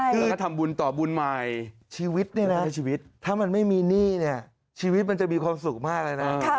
เพื่อทำบุญต่อบุญใหม่ชีวิตเนี่ยนะถ้ามันไม่มีหนี้เนี่ยชีวิตมันจะมีความสุขมากเลยนะ